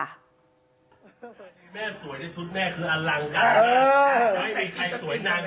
แม่สวยในชุดแม่คืออัลลังกะ